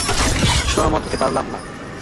সহমত হতে পারলাম না।